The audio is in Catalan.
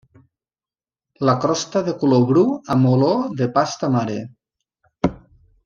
La crosta de color bru amb olor de pasta mare.